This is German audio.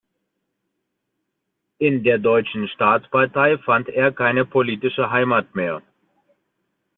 In der Deutschen Staatspartei fand er keine politische Heimat mehr.